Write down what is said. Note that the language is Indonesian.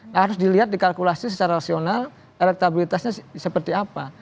nah harus dilihat dikalkulasi secara rasional elektabilitasnya seperti apa